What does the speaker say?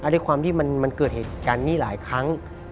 ด้วยความที่มันเกิดเหตุการณ์นี้หลายครั้ง